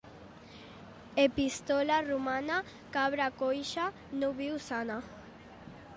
Epístola romana: cabra coixa no viu sana.